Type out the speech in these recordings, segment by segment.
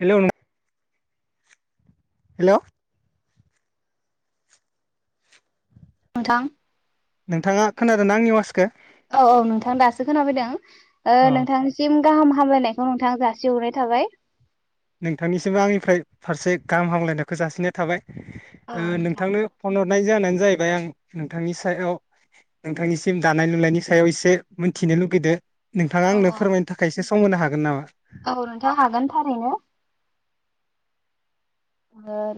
Hello नोंथां hello नोंथां नोंथाङा खोनादों ना आंनि अवासखो खोनाफोयदों ओ नोंथांनिसिम गाहाम हामलायनायखौ नोंथा जासिहरनाय थाबाय नोंथांनिसिमबो आंनिफ्राय फारसे गाहाम हामलायनायखौ जासिनाय थाबाय औ ओ नोंथां नोंथांनो फन ह हनाय जानायानो जाहैबाय आं नोंथांनि सायाव नोंथांनिसिम दानाय लुनायनि सायाव एसे मिथिनो लुगैदों? नोंथाङा औ आंनो फोरमायनो थाखायसो सम होनो हागोन नामा? औ नोंथा हागोन थारैनो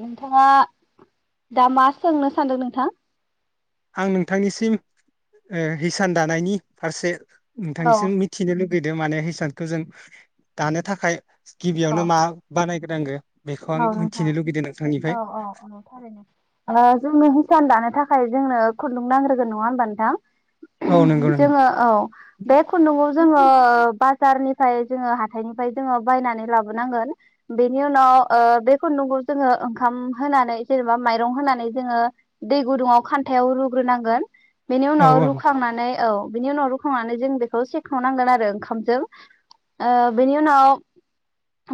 नोंथाङा दा मा सोंनो सानदों नोंथां? आं नोंथांनिसिम ओ हिसान दानायनि फारसे औ नोंथांनिसिम मिथिनो लुबैयो? लुगैदों माने हिसानखौ जों दानो थाखाय औ गिबियावनो मा बानायग्रो नांगो औ नोंथां औ औ औ थारैनो जोङो हिसान दानो थाखाय थाखाय जोंनो खुन्दुं नांग्रोगोन नङा होनबा नोंथां? औ नंगौ नंगौ जोङो औ बे खुन्दुंवाव जोङो सारनिफ्राय जोङो हाथायनिफ्राय जोङो बायनानै लाबोनांगोन बेनि उनाव बे खुन्दुंखौ जोङो ओंखाम होनानै जेनेबा माइरं होनानै जोङो दै गुदुङाव खान्थायाव रुग्रोनांगोन बेनि औ उनाव रुखांनानै औ बिनि उनाव रुखांनानै जों बेखौ सेखावनांगोन आरो ओंखामजों बेनि उनाव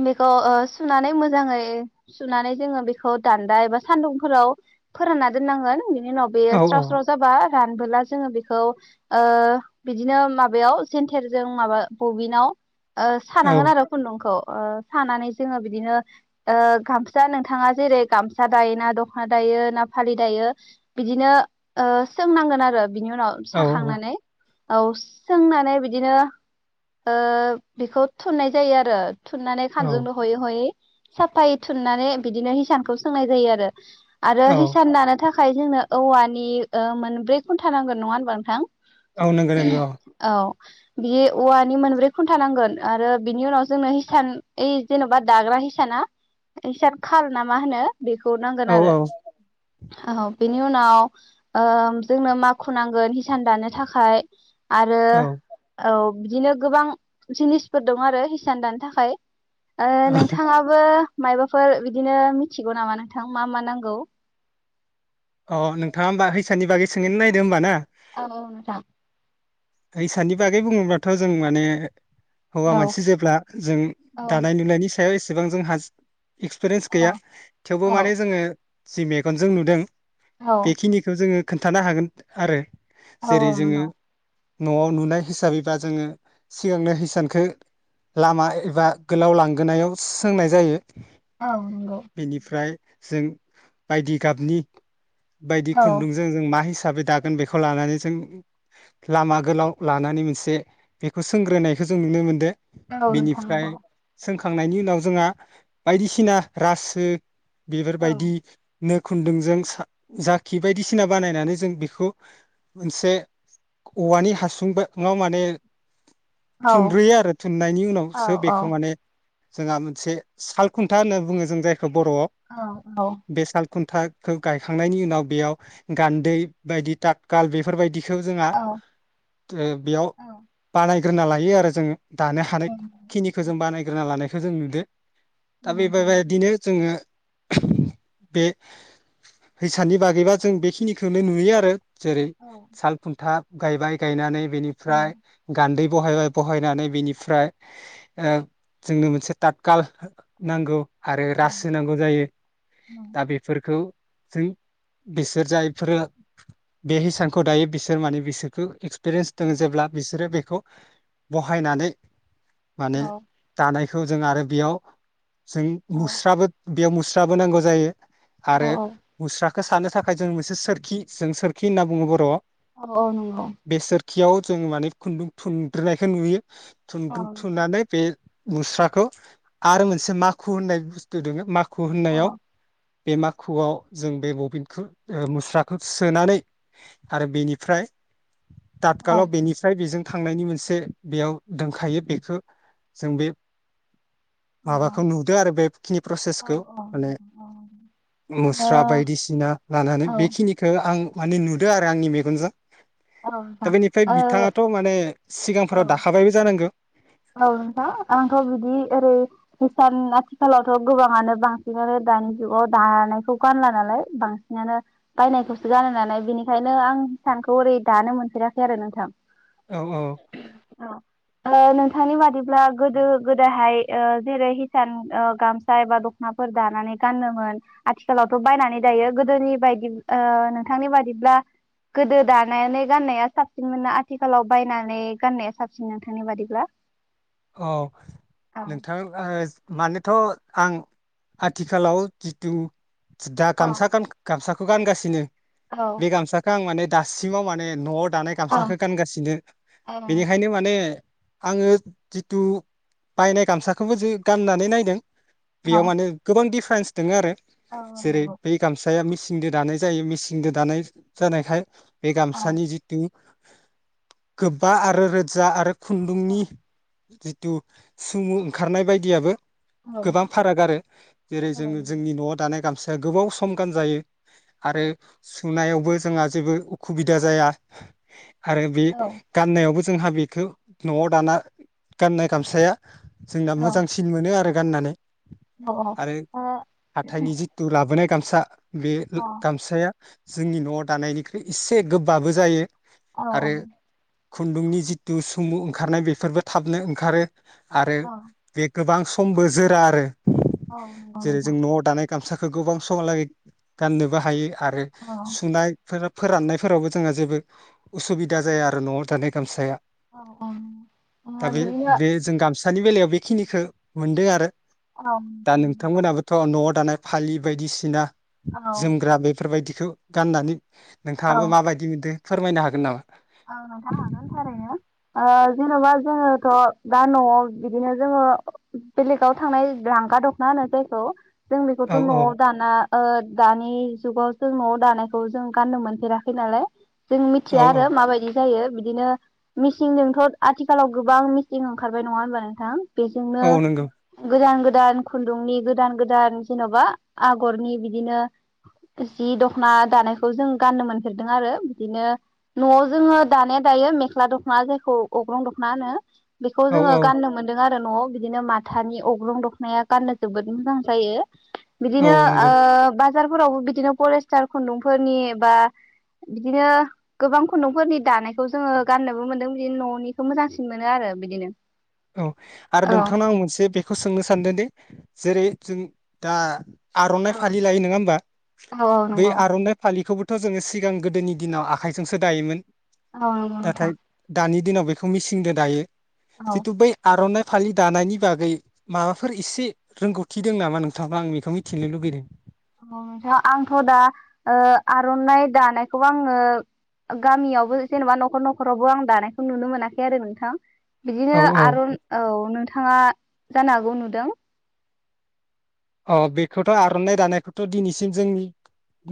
बेखौ सुनानै मोजां मोजाङै सुनानै जोङो बेखौ दान्दा एबा सान्दुंफोराव फोरानना दोननांगोन बिनि उनाव बे औ स्राव स्राव जाबा रानबोला जोङो बेखौ ओ बिदिनो माबायाव सेन्टेरजों ओ माबा बबिनाव ओ औ सानांगोन आरो खुन्दुंखौ ओ सानानै जोङो बिदिनो ओ गामसा नोंथाङा जेरै गामसा दायो ना दख'ना दायो ना फालि दायो बिदिनो ओ सोंनांगोन आरो बिनि उनाव औ औ साखांनानै औ सोंनानै बिदिनो ओ बेखौ थुननाय जायो आरो थुननानै औ खानजोंनो हयै हयै साफायै थुननानै बिदिनो हिसानखौ सोंनाय जायो आरो आरो औ हिसान दानो थाखाय खाय जोंनो औवानि ओ मोनब्रै खुनटा नांगोन नङा होनबा नोंथां औ नोंगौ नोंगौ औ बियो औवानि मोनब्रै खुन्था नांगोन आरो बिनि उनाव जोंनो हिसान ओइ जेन'बा दाग्रा हिसान इसाना इसान खाल ना मा होनो बेखौ नांगोन औ आरो औ औ बेनि उनाव ओ जोंनो माखु नांगोन हिसान दानो थाखाय आरो औ औ बिदिनो गोबां जिनिसफोर दं आरो हिसान दानो थाखाय ओ औ नोंथां ओ मायाबाफोर बिदिनो मिथिगौ नामा नोंथां मा मा नांगौ अ नोंथाङा होमबा हिसाननि बागै सोंहैनो नायदो होमबा औ औ नोंथां इसाननि बागै बुङोब्लाथ' जों माने हौवा औ मानसि जेब्ला जों औ दानाय लुनायनि सायाव एसेबां जों हाज एक्सपिरियेन्स गैया औ थेवबो माने औ जोङो जि मेगनजों नुदों औ बेखिनिखौ जोङो खोन्थानो हागोन आरो औ जेरै औ जोङो नोंगौ न'आव नुनाय हिसाबैबा जोंङो सिगांनो हिसानखौ लामा एबा गोलाव लांगोनायाव सोंनाय जायो। औ नंगौ बेनिफ्राय जों बायदि गाबनि बायदि औ खुन्दुंजों जों मा हिसाब हिसाबै दागोन बेखौ लानानै जों लामा गोलाव लानानै मोनसे बेखौ सोंग्रोनायखौ जों नुनो मोनदों। औ नोंथां बेनिफ्राय नंगौ सोंखां खांनायनि उनाव जोंहा बायदिसिना रासो औ बेफोरबायदि नो खुन्दुंजों जाखि बायदिसिना बानायनानै जों बेखौ मोनसे औवानि हासुं मा माने औ थुनब्रोयो आरो थुननायनि औ उनावसो औ बेखौ माने जोंहा मोनसे साल खुन्था होनना बुङो जों जाय बर'आव औ औ बे साल खुन्था खौ गायखांनायनि उनाव बेयाव गान्दै बायदि ततखाल बेफोरबायदि जोंहा औ बेयाव औ बानाय ग्रोना लायो आरो जोङो दानो औ हानाय खिनिखौ जों बानायग्रोना लानाय खौ जों नुदो। दा नंगौ बेफोरबायदिनो जोंङो बे हैसानि बागैबा जों बेखिनिखौनो नुयो आरो जेरै औ साल खुन्था गायबाय गायनानै औ बेनिफ्राय गान्दै बहायबाय बहायनानै बेनिफ्राय जोंनो मोनसे ततखाल नांगौ। आरो औ रासो होनांगौ जायो औ दा बेफोरखौ जों बिसोर जायफोरो बे हिसानखौ दायो बिसोर माने बिसोरखौ एक्पिरियेन्स दं जेब्ला बिसोर बे खौ बहायनानै माने औ दानाय खौ जों आरो बेयाव जै मुस्राबो बेयाव मुस्राबो नांगौ जायो। औ आरो औ। मुस्राखौ सानो थाखाय जों मोनसे सोरखि जों सोरखि होनना बुङो बर आव। औ औ नंगौ। खियाव जों माने खुन्दुं थुग्रोनायखौ नुयो। थुनदु थुननानै बे मुस्राखौ आरो मोनसे माखु होननाय बुस्थु दङो मा खु होननायाव बेे मा खुआव जों बे बबिनखौ मुस्राखौ सोनानै आरो बेनिफ्राय तातगालाव बेनिफ्राय बेजों थांनायनि मोनसे बेयाव दोनखायो बेखौ जों बे माबाखौ नुदों आरो बेखिनि प्रसेसखौ। माने मुस्रा बायदिसिना औ लानानै ओ औ बेखिनिखौ आं माने नुदो आरो आंनि मेगनजों। दा औ नोंथां बेनिफ्राय ओ बिथाङाथ माने औ सिगांफोराव दाखाबायबो जानांगौ? औ नोंथां। आंथ बिदि ओरै हिसान आथिखालावथ गोबाङानो बांसिनानो दानि जुगाव दानायखौ गानला नालाय। बांसिनानो बायनायखौसो गानो नालाय बेनिखायनो आं हिसानखौ ओरै दानो मोनफेराखै आरो नोंथां। औ औ। ओ नों थांनि बादिब्ला गोदो गोदाहाय ओ जेरै हिसान ओ गामसा एबा दखनाफोर दानानै गानोमोन। आथिखालावथ बायनानै दायो गोदोनि बायदि ओ नोंथांनि बादिब्ला गोदो दानानै गाननाया साबसिनमोन ना आथिखालाव बायनानै गाननाया साबसिन नोंथांनि बादिब्ला? औ, औ नोंथां ओ मानोथ आं आथिखालाव जिथु दा गामसा गान गामसा खौ गानगासिनो। बे गामसाखौ आं माने दासिमाव माने नवाव दानाय औ गामसाखौ गानगासिनो। औ बेनिखायनो माने आङो जिथु बायनाय गामसाखौबो जो गाननानै नायदों। बेयाव माने गोबां दि फारेन्स दङ आरो। जेरै बे गामसाया मिसे नजों दानाय जायो‌ मेसिंजों दानाय जानायखाय बे गामसानि जिथु गोबा आरो रोजा आरो खुन्दुंनि जिथु सुमु ओंखारनाय बायदियाबो गोबां फाराग आरो जेरै जों जोंनि न'आव दानाय गामस दा गोबाव सम गानजायो। आरोब सुनायाव बो जोंङा जेबो उखुबिदा जाया। आरो बि गाननायावबो जोंहा बेखौ न'आव दाना गाननाय गामसाया जोंना मोजांसिन मोनो आरो गाननानै आरो हाथाइनि जिथु लाबोनाय गाम सा बे ओ गामसाया जोंनि न'आव दानायनिख्रुइ एसे गोबाबो जायो। औ आरो खुन्दुंनि जिथु सुमु ओंखारनाय बेफोरबो थाबनो ओंखारो आरो बे गोबांस खमबो जोरा आरो औ नंगौ नोंथां गामसाखो गोबां समलागै गाननोबो हायो। आरो सुननाय फोर फोराननायफोरावबो जोंङो जेबो उसुबिदा जाया आरो न'आव दानाय गामसाया। औ औ दा बे बे जों गामस सानि बेलायाव बेखिनिखो मोनदो आरो दा नोंथांमोनहाबोथ' न'ट दानाय फालि बायदिसिना जोमग्रा बेफोरबायदि बेखौ गाननानै नोंथाङाबो माबायदि बिदो फोरमायनो हागोन नामा? ओ जेन'बा जोङोथ' दा न'आव बिदिनो जोङो बेलेगाव थांनाय लांगा दखना होनो जायखौ जों बेखौथ' औ औ न'आव दाना ओ दानि जुगाव जों न'आव दानायखौ जों गाननो मोनफेराखै नालाय जों औ मिथिया औ आरो जायो बिदिनो मिसिंजोंथ' आथिखालाव गोबां मिसिं ओंखारबाय नङा होनबा नोंथां? बेजोंनो औ नंगौ गोदान गोदान दान खुन्दुंनि गोदान गोदान जेन'बा आगरनि बिदिनो जि दख'ना दानायखौ जों गाननो मोनफेरदों आरो बिदिनो न'आव जोङो दानाया दायो मेख्ला दख'ना जायखौ अग्रं दखव'ना होनो। बेखौ औ जोङो औ गाननो मोनदों आरो न'आव बिदिनो माथानि अग्रं दखनाया गाननो जोबोद मोजां जायो। औ बिदिनो नंगौ ओ बाजार फोरावबो बिदिनो फरेस्टार खुन्दुंफोरनि बा बिदिनो गोबां खुन्दुंफोरनि दानायखौ जोङो गाननोबो मोनदों बिदिनो न'निखौ मोजांसिन मोनो आरो बिदिनो औ आरो नोंथांआव आं मोनसे बेखौ सोंनो सानदोंदि जेरै जों दा आर'नाइ फालि लायो नङा होमबा बै आर'नाइ फालिखौबो थ' जोङो सिगां गोदोनि दिनाव आखाइजोंसो दायोमोन। औ नंगौ नोंथां नाथाय दानि दिनाव बेखौ मिसिंदो दायो। जिथु बै आर'नाय फालि दानायनि बागै माबाफोर एसे रोंगौथि दों नामा नोंथां आं बेखौ मिथिनो लुबैदों? अ नोंथां आंथ' दा ओ आर'नाइ दानायखौबो आङो गामियावबो जेनेबा न'खर न'खरावबो आं दानायखौ नुनो मोनाखै आरो नोंथां। बिदिनो आर' औ नोंथाङा जानो हागौ नुदों? अ बेखौथ' आर'नाइ दानायखौथ' दिनैसिम जोंनि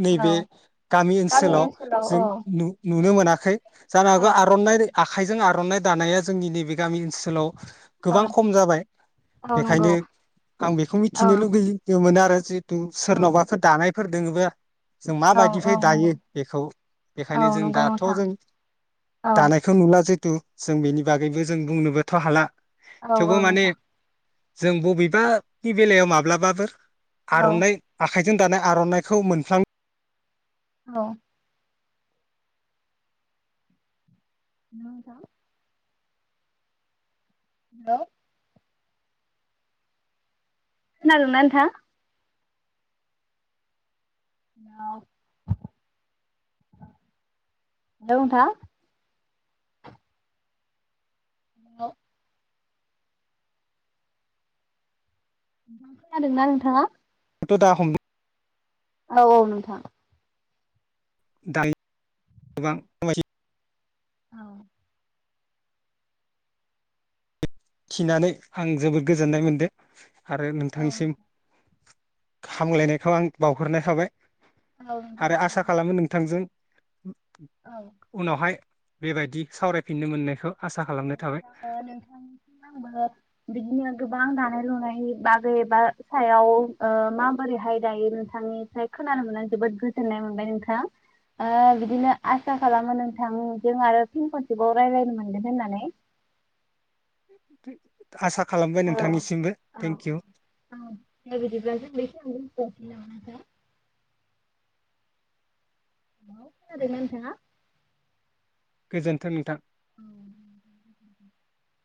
नैबे गामि ओनसोलाव जों नु नुनो मोनाखै। जानो हागौ आर'नाय आखाइजों आर'नाइ दानाया जोंनि नैबे गामि ओनसोलाव गोबां खम जाबाय बेखायनो आं बेखौ मिथिनो लुबै योमोन आरो जि सोरनावबाफोर दानाय फोरदोङोबा जों माबायदिहाय दायो बेखौ बेखायनो जों दाथ' जों दानायखौ नुला जे तु जों बेनि बागैबो जों बुंनोबोथ' हाला औ औ थेवबो माने नोंथां जों बबेबानि बेलायाव माब्ला बाबोर आरनाइ आ आखाइजें दानाय आरनाइखौ मोनफ्लां औ [unintelligible] हेलौ खोनादोंना नोंथां? हेलौ हेलौ नोंथां। हेलौ नोंथां खोनादोंना नोंथाङा? थदा हम औ-औ नोंथां। दायो गोबां [unintelligible] औ खिनानै आं जोबोद गोजोननाय मोनदों आरो नोंथांसिम हामलायनायखौ आं बावहरनाय थाबाय आरो आसा खालामो नोंथांजों [unintelligible] उनावहाय बेबायदि सावरायफिननो मोननायखौ आसा खालामनाय थाबाय। आंबो बिदिनो गोबां दानाय लुनाय बागै बा सायाव ओ माबोरैहाय दायो नोंथांनिफ्राय खोनानो मोननानै जोबोद गोजोननाय मोनबाय नोंथां ओ बिदिनो आसा खालामो नोंथांजों आरो फिन खनसेबाव रायज्लायनो मोगोन होननानै। [unintelligible] आसा खालामबाय नोंथांनिसिमबो थेंकइउ। [unintelligible] [unintelligible] खोनादोंना नोंथाङा? गोजोन्थों नोंथां। औ